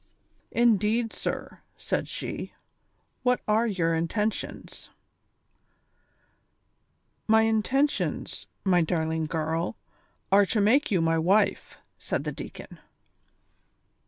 "Indeed, sir," said she ; "what are your intentions V "" My intentions, my darling girl, are to make you my ■wife," said the deacon.